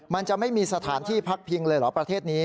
มันจะไม่มีสถานที่พักพิงเลยเหรอประเทศนี้